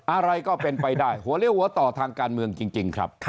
อะไรก็เป็นไปได้หัวเลี้ยวหัวต่อทางการเมืองจริงครับ